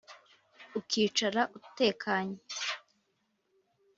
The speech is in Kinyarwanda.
ukicara utekanye